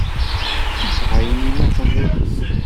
Nesɛa ayen ilaqen d akud.